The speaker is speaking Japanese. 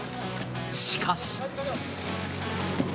しかし。